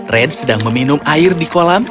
red sedang meminum air di kolam